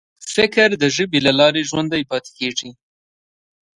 فکر د ژبې له لارې ژوندی پاتې کېږي.